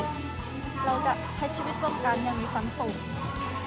เราจะใช้ชีวิตต้นกลางอย่างมีความสุข